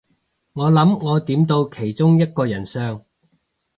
我諗我點到其中一個人相